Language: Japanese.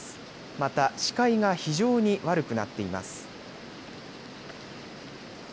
また視界が非常に悪くなっています。